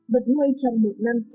bật nuôi trong một năm